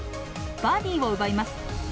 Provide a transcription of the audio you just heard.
バーディーを奪います。